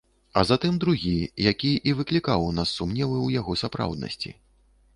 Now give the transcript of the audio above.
А затым другі, які і выклікаў у нас сумневы ў яго сапраўднасці.